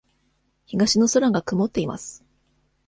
東の空が曇っています。